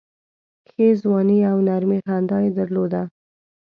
ښې ځواني او نرمي خندا یې درلوده.